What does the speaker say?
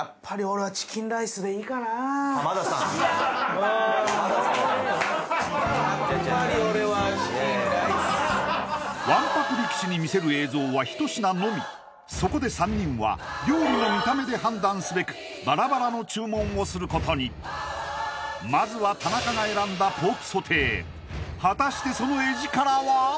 うまそう浜田さんやなわんぱく力士に見せる映像は一品のみそこで３人は料理の見た目で判断すべくバラバラの注文をすることにまずは田中が選んだポークソテー果たしてそのエヂカラは？